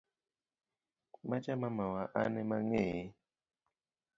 Macha mamawa an emaang'eye.